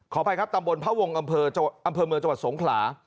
อภัยครับตำบลพระวงศ์อำเภอเมืองจังหวัดสงขลา